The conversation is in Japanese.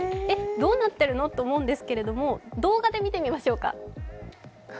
どうなってるの？と思うんですけれども動画で見てみましょうか。